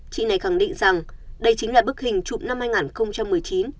chị này khẳng định rằng đây chính là bức hình trụm năm hai nghìn một mươi chín